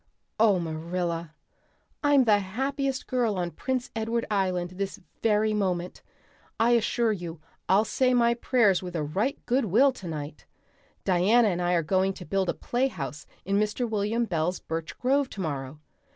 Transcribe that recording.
"Oh Marilla, I'm the happiest girl on Prince Edward Island this very moment. I assure you I'll say my prayers with a right good will tonight. Diana and I are going to build a playhouse in Mr. William Bell's birch grove tomorrow.